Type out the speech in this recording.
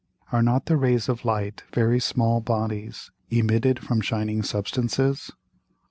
Are not the Rays of Light very small Bodies emitted from shining Substances?